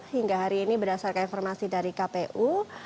hingga hari ini berdasarkan informasi dari kpu